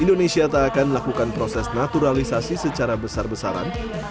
indonesia tak akan melakukan proses naturalisasi secara besar besaran